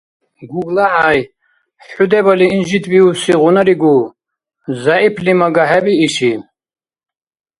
ГуглахӀяй, хӀу дебали инжитбиубсиигъунаригу. ЗягӀипли мага хӀебииши?